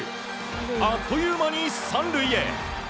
あっという間に３塁へ。